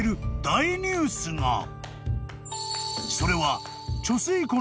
［それは］